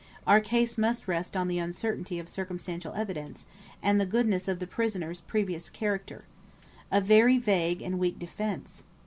Our case must rest on the uncertainty of circumstantial evidence, and the goodness of the prisoner's previous character. A very vague and weak defence.